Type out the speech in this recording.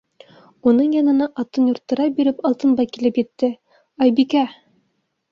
Уның янына, атын юрттыра биреп, Алтынбай килеп етте: - Айбикә!